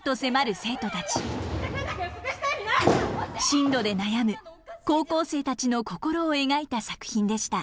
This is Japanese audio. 進路で悩む高校生たちの心を描いた作品でした。